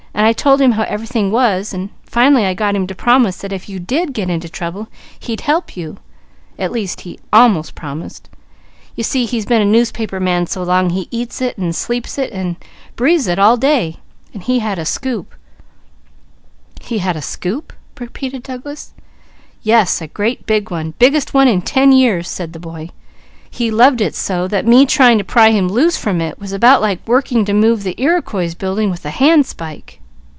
I told him how everything was, and finally I got him to promise that if you did get into trouble he'd help you, at least he almost promised. You see he's been a newspaper man so long, he eats it, and sleeps it, and he had a s'scoop' " "'He had a scoop?'" repeated Douglas. "Yes! A great one! Biggest one in ten years!" said the boy. "He loved it so, that me trying to pry him loose from it was about like working to move the Iriquois Building with a handspike.